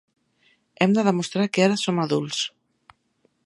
Hem de demostrar que ara som adults.